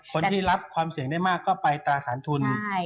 คนที่รับความเสี่ยงได้มากก็ไปตราสารทุน